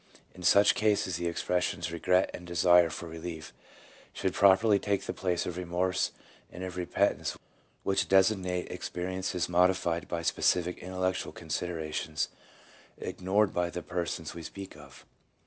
In such cases the expressions 'regret' and 'desire for relief should properly take the place of 'remorse' and of 'repentance,' which designate experiences modified by specific intellectual considera tions ignored by the persons we speak of.